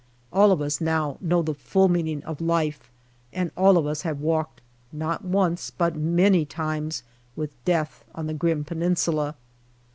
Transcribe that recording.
All of us now know the full meaning of Life, and all of us have walked, not once, but many times, with Death on the grim Peninsula.